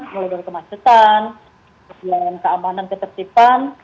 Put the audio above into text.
kemudian kemacetan keamanan ketertiban